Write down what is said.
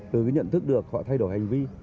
từ cái nhận thức được họ thay đổi hành vi